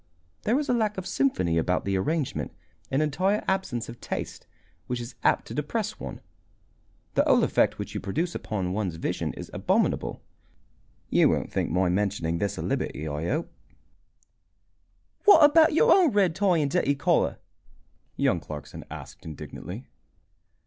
There is a lack of symphony about the arrangement, an entire absence of taste, which is apt to depress one. The whole effect which you produce upon one's vision is abominable. You won't think my mentioning this a liberty, I hope?" "What about your own red tie and dirty collar?" young Clarkson asked, indignantly.